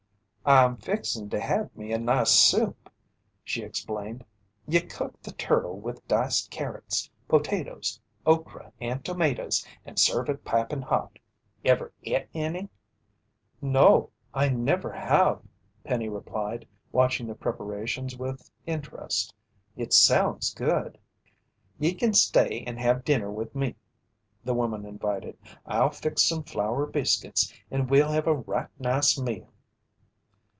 "I'm fixin' to have me a nice soup," she explained. "Ye cook the turtle with diced carrots, potatoes, okra, and tomatoes and serve it piping hot. Ever et any?" "No, I never have," Penny replied, watching the preparations with interest. "It sounds good." "Ye kin stay and have dinner with me," the woman invited. "I'll fix some flour biscuits and we'll have a right nice meal."